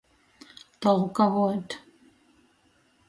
Tolkavuot.